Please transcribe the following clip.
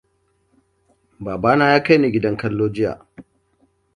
Babana ya kaini gidan kallo jiya.